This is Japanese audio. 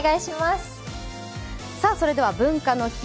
それでは文化の日